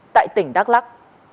tại tỉnh đắk lắc